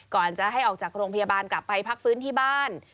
ก่อนจะให้ออกจากโรงพยาบาลกลับไปพักฟื้นที่บ้าน